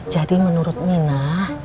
jadi menurut minah